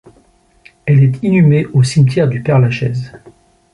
Elle est inhumée au Cimetière du Père-Lachaise.